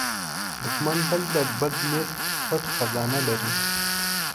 دښمن تل د بد نیت پټ خزانه لري